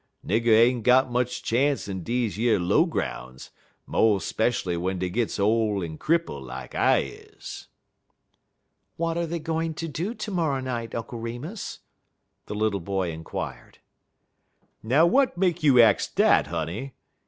Nigger ain't got much chance in deze yer low groun's, mo' speshually w'en dey gits ole en cripple lak I is." "What are they going to do to morrow night, Uncle Remus?" the little boy inquired. "Now w'at make you ax dat, honey?"